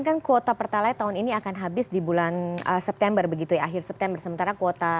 kan kuota pertalite tahun ini akan habis di bulan september begitu ya akhir september sementara kuota